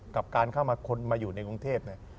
กับการเข้ามาคนมาอยู่ในกรุงเทพเนี่ย